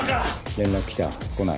連絡来た？来ない？